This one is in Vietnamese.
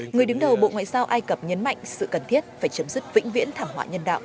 người đứng đầu bộ ngoại giao ai cập nhấn mạnh sự cần thiết phải chấm dứt vĩnh viễn thảm họa nhân đạo